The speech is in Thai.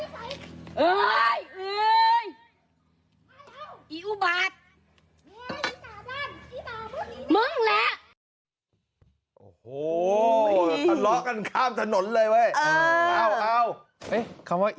ทะเลาะกันข้ามถนนเลย